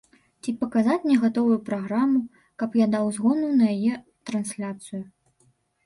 Ці паказаць мне гатовую праграму, каб я даў згоду на яе трансляцыю.